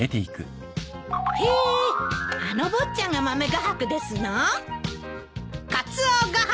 へえあの坊ちゃんが豆画伯ですの？